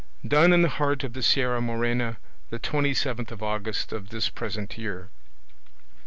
Done in the heart of the Sierra Morena, the twenty seventh of August of this present year."